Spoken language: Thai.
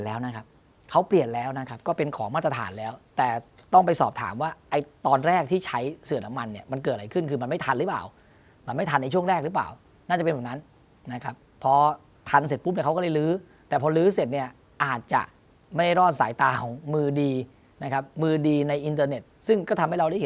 แล้วนะครับเขาเปลี่ยนแล้วนะครับก็เป็นของมาตรฐานแล้วแต่ต้องไปสอบถามว่าไอ้ตอนแรกที่ใช้เสือน้ำมันเนี่ยมันเกิดอะไรขึ้นคือมันไม่ทันหรือเปล่ามันไม่ทันในช่วงแรกหรือเปล่าน่าจะเป็นแบบนั้นนะครับพอทันเสร็จปุ๊บเนี่ยเขาก็เลยลื้อแต่พอลื้อเสร็จเนี่ยอาจจะไม่รอดสายตาของมือดีนะครับมือดีในอินเตอร์เน็ตซึ่งก็ทำให้เราได้เห็น